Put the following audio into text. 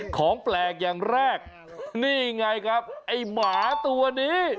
ของแปลกอย่างแรกนี่ไงครับไอ้หมาตัวนี้